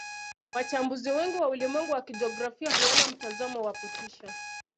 Wachambuzi wengi wa ulimwengu wa kijiografia huona mtazamo wa kutisha